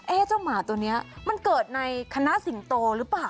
เจ้าหมาตัวนี้มันเกิดในคณะสิงโตหรือเปล่า